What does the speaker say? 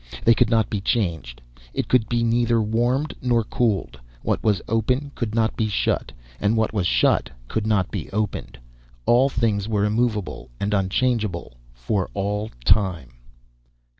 They could not be changed; it could be neither warmed nor cooled; what was open could not be shut, and what was shut could not be opened. All things were immovable and unchangeable for all time.